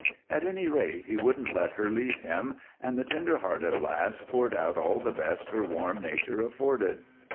At any rate, he wouldn't let her leave him, and the tender hearted lass poured out all the best her warm nature afforded.